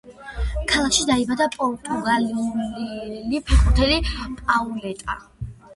ქალაქში დაიბადა პორტუგალიელი ფეხბურთელი პაულეტა.